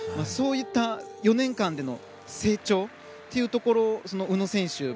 そういった４年間での成長というところ宇野選手